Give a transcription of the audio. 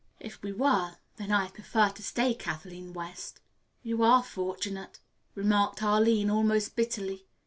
If we were, then I'd prefer to stay Kathleen West." "You are fortunate," remarked Arline almost bitterly.